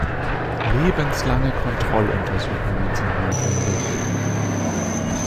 Lebenslange Kontrolluntersuchungen sind notwendig.